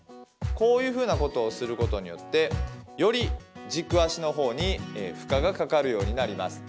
こういうふうなことをすることによってより軸足の方に負荷がかかるようになります。